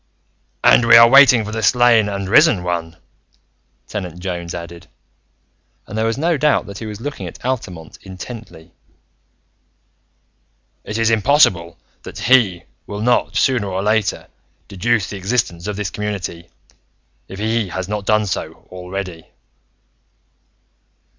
"And we are waiting for the Slain and Risen One," Tenant Jones added, and there was no doubt that he was looking at Altamont intently. "It is impossible that He will not, sooner or later, deduce the existence of this community, if He has not done so already."